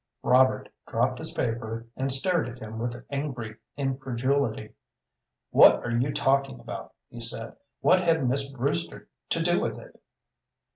Robert dropped his paper, and stared at him with angry incredulity. "What are you talking about?" he said. "What had Miss Brewster to do with it?"